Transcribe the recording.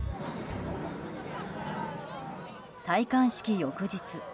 戴冠式翌日。